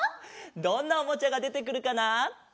どんなおもちゃがでてくるかな？